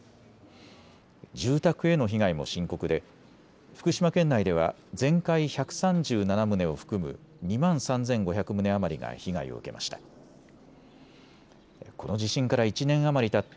住宅への被害も深刻で福島県内では全壊１３７棟を含む２万３５００棟余りが被害を受けました。